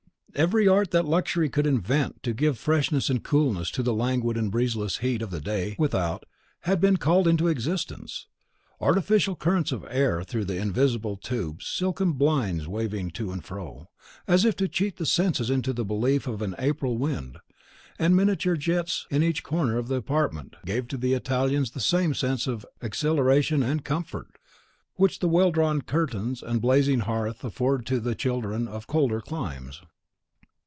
Every art that luxury could invent to give freshness and coolness to the languid and breezeless heat of the day without (a day on which the breath of the sirocco was abroad) had been called into existence. Artificial currents of air through invisible tubes, silken blinds waving to and fro, as if to cheat the senses into the belief of an April wind, and miniature jets d'eau in each corner of the apartment, gave to the Italians the same sense of exhilaration and COMFORT (if I may use the word) which the well drawn curtains and the blazing hearth afford to the children of colder climes.